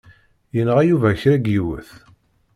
Yenɣa Yuba kra n yiwet.